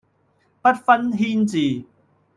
不分軒輊